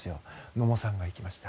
野茂さんが行きました。